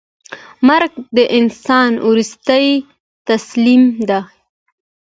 مرګ د انسان وروستۍ تسلیم ده.